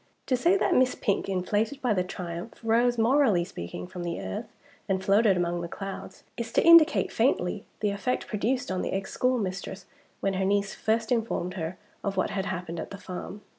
To say that Miss Pink, inflated by the triumph, rose, morally speaking, from the earth and floated among the clouds, is to indicate faintly the effect produced on the ex schoolmistress when her niece first informed her of what had happened at the farm.